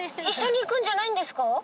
一緒に行くんじゃないんですか？